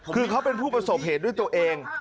คือเขาเป็นผู้ประสบเหตุด้วยตัวเอง